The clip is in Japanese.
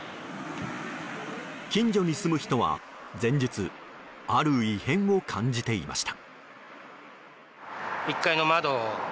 近所に住む人は前日ある異変を感じていました。